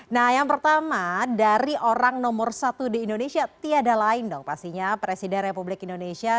nah yang pertama dari orang nomor satu di indonesia tiada lain dong pastinya presiden republik indonesia